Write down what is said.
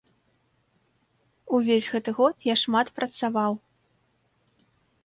Увесь гэты год я шмат працаваў.